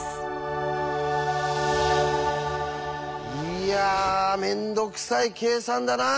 いや面倒くさい計算だなあ。